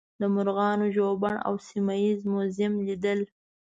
د مرغانو ژوبڼ او سیمه ییز موزیم لیدل.